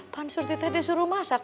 pan suritita disuruh masak